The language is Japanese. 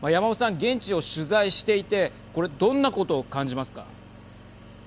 現地を取材していてこれ、どんなことを感じますか。